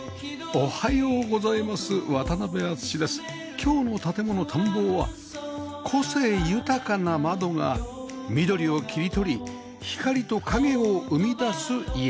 今日の『建もの探訪』は個性豊かな窓が緑を切り取り光と影を生み出す家